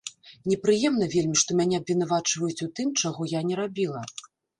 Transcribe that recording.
Непрыемна вельмі, што мяне абвінавачваюць у тым, чаго я не рабіла.